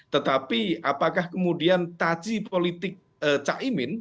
tetapi apakah kemudian taji politik cak imin